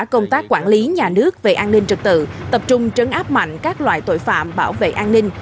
công tác quản lý nhà nước về an ninh trật tự tập trung trấn áp mạnh các loại tội phạm bảo vệ an ninh